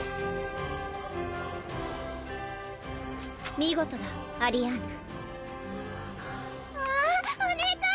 見事だアリアーヌわあっお姉ちゃん